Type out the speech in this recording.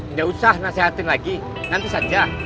nggak usah nasihatin lagi nanti saja